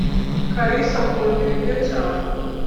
karisa akunda ibiryo cyane